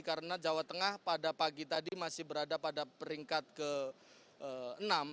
karena jawa tengah pada pagi tadi masih berada pada peringkat keenam